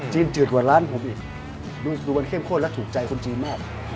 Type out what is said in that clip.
จืดกว่าร้านผมอีกดูมันเข้มข้นและถูกใจคนจีนมาก